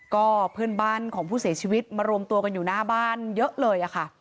ก็เพื่อนบ้านของผู้เสียชีวิตมารวมตัวกันอยู่หน้าบ้านเยอะเลยค่ะ